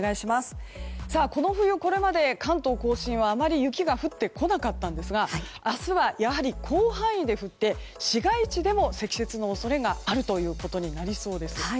この冬これまで関東・甲信はあまり雪が降ってこなかったんですが明日はやはり広範囲で降って市街地でも積雪の恐れがあるということになりそうです。